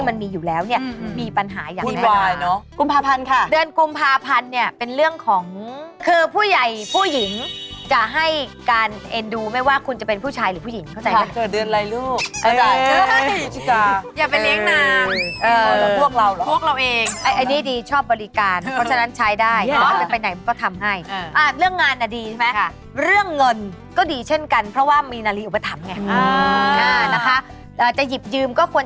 มันมีอยู่แล้วเนี่ยมีปัญหาอย่างแน่นานาคุณวายเนอะกลุ่มภาพันธ์ค่ะเดือนกลุ่มภาพันธ์เนี่ยเป็นเรื่องของคือผู้ใหญ่ผู้หญิงจะให้การเอ็นดูไม่ว่าคุณจะเป็นผู้ชายหรือผู้หญิงเข้าใจไหมค่ะเกิดเดือนไรลูกเอ่ยยยยยชิคกี้พายอย่าไปเลี้ยงนางเอ่อพวกเราหรอพวกเราเองอันนี้ดีชอบบริการเพราะฉะนั้นใช้ได้